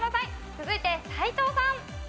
続いて斎藤さん。